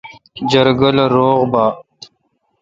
جرگہ لو روغ با۔